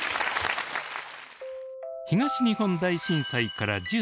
東日本大震災から１０年たった